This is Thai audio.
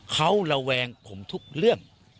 เขาระแวงผมทุกเรื่อง